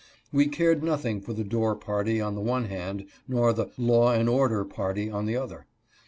We cared nothing for the Dorr party on the one hand, nor the " law and order party " on the other.